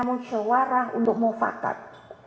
musyawarah untuk mufakat